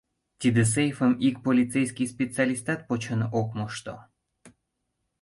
Тиде сейфым ик полицейский специалистат почын ок мошто.